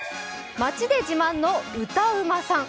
町で自慢の歌うまさん。